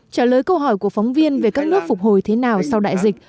trả lời câu hỏi của phóng viên về các nước phục hồi thế nào sau đại dịch